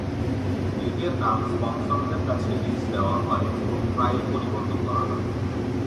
লীগের নাম স্পন্সরদের কাছে লিজ দেওয়া হয় এবং প্রায়ই পরিবর্তন করা হয়।